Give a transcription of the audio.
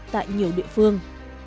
tại nhiều địa phương